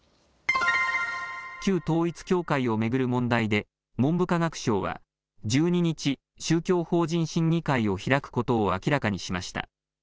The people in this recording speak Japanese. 旧統一教会を巡る問題で文部科学省は１２日、宗教法人審議会を開くことを明らかにしました。